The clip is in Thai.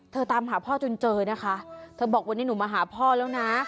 ตามหาพ่อจนเจอนะคะเธอบอกวันนี้หนูมาหาพ่อแล้วนะ